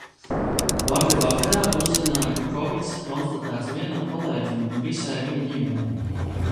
Vakar vakarā uzzināju, ka kovids konstatēts vienam kolēģim un visai viņa ģimenei.